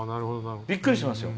びっくりしますよ。